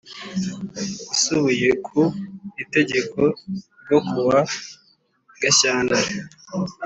Isubiye ku Itegeko ryo kuwa Gashyantare